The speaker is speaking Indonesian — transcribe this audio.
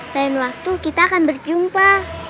lain waktu kita akan berjumpa